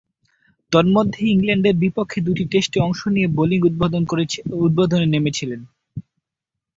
তন্মধ্যে, ইংল্যান্ডের বিপক্ষে দুই টেস্টে অংশ নিয়ে বোলিং উদ্বোধনে নেমেছিলেন।